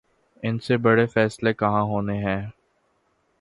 ان سے بڑے فیصلے کہاں ہونے ہیں۔